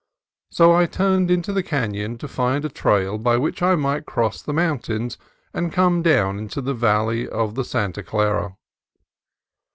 So I turned into the canon to find a trail by which I might cross the mountains and come down into the valley of the Santa Clara.